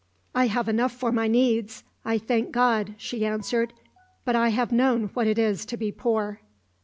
"I have enough for my needs, I thank God," she answered. "But I have known what it is to be poor."